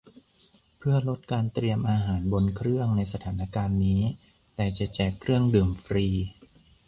เพื่อลดการเตรียมอาหารบนเครื่องในสถานการณ์นี้ แต่จะแจกเครื่องดื่มฟรี